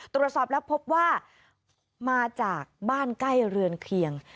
ตรวจสอบแล้วพบว่ามาจากบ้านใกล้เรือนเคียง